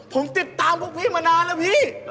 ผมติดตามพวกพี่มานานแล้วพี่